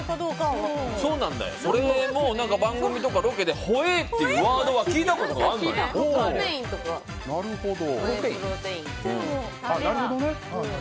俺も番組とかロケでホエイっていうワードは聞いたことがあるのよ。